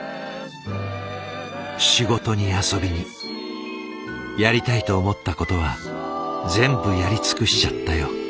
仕事に遊びに「やりたいと思ったことは全部やり尽くしちゃったよ」。